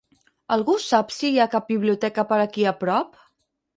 Algú sap si hi ha cap biblioteca per aquí a prop?